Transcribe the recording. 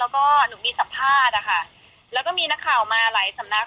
แล้วก็หนูมีสัมภาษณ์นะคะแล้วก็มีนักข่าวมาหลายสำนัก